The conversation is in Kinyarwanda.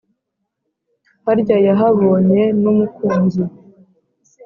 harya yahabonye n’umukunzi